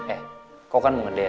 eh kau kan mau ngedet